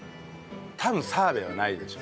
多分澤部はないでしょ？